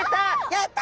やった！